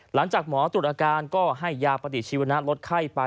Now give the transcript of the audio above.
หลังจากหมอตรวจอาการก็ให้ยาปฏิชีวนะลดไข้ไป